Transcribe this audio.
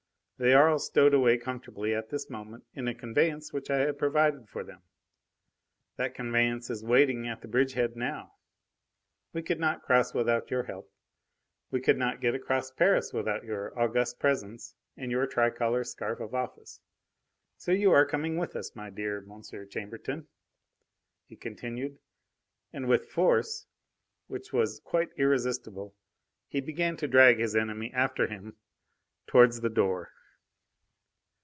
They are all stowed away comfortably at this moment in a conveyance which I have provided for them. That conveyance is waiting at the bridgehead now. We could not cross without your help; we could not get across Paris without your august presence and your tricolour scarf of office. So you are coming with us, my dear M. Chambertin," he continued, and, with force which was quite irresistible, he began to drag his enemy after him towards the door.